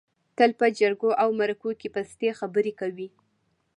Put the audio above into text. تل په جرګو او مرکو کې پستې خبرې کوي.